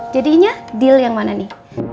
jadinya deal yang mana nih